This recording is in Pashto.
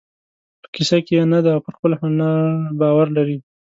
په کیسه کې یې نه دی او پر خپل هنر باور لري.